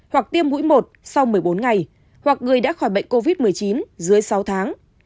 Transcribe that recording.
hoặc tiêm mũi một sau một mươi bốn ngày hoặc người đã khỏi bệnh covid một mươi chín dưới sáu tháng